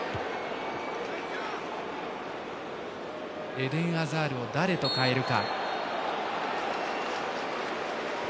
エデン・アザールを誰と代えるか。